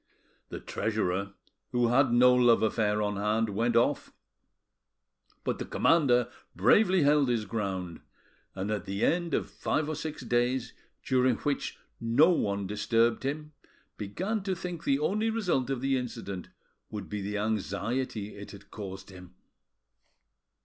The treasurer, who had no love affair on hand, went off; but the commander bravely held his ground, and at the end of five or six days, during which no one disturbed him, began to think the only result of the incident would be the anxiety it had caused him.